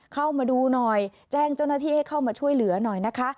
เข้ามาดูหน่อยแจ้งเจ้าหน้าที่ให้เข้ามาช่วยเหลือหน่อยนะคะ